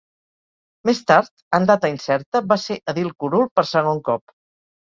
Més tard, en data incerta, va ser edil curul per segon cop.